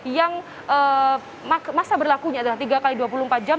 yang masa berlakunya adalah tiga x dua puluh empat jam